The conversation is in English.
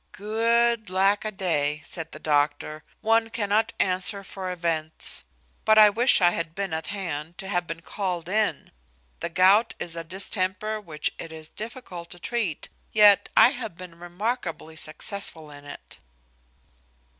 "Good lack a day!" says the doctor. "One cannot answer for events; but I wish I had been at hand, to have been called in. The gout is a distemper which it is difficult to treat; yet I have been remarkably successful in it."